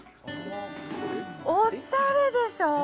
おしゃれでしょう。